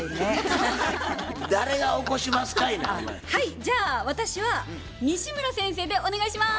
じゃあ私は西村先生でお願いします！